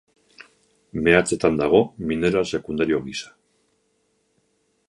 Meatzetan dago, mineral sekundario gisa.